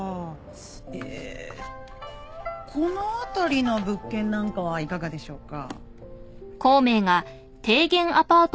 えーこのあたりの物件なんかはいかがでしょうか。